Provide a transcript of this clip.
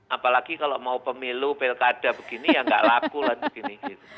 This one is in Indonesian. apalagi kalau mau pemilu pilkada begini ya nggak laku lah begini